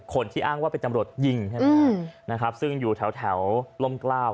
คนที่อ้างว่าเป็นตำรวจยิงใช่ไหมนะครับซึ่งอยู่แถวล่มกล้าว